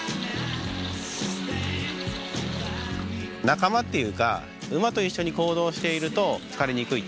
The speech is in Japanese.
仲間っていうか馬と一緒に行動していると疲れにくい。